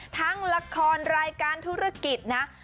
ทั้งละครรายการธุรกิจนะ